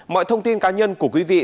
mọi thông tin cá nhân của quý vị